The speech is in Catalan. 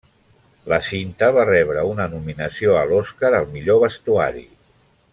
La cinta va rebre una nominació a l'Oscar al millor vestuari.